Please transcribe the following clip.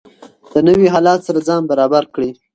د نویو حالاتو سره ځان برابر کړئ.